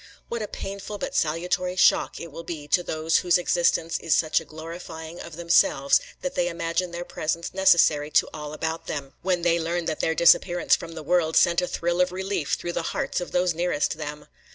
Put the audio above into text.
What a painful but salutary shock it will be to those whose existence is such a glorifying of themselves that they imagine their presence necessary to all about them, when they learn that their disappearance from the world sent a thrill of relief through the hearts of those nearest them!